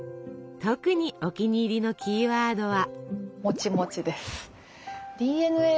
特にお気に入りのキーワードは。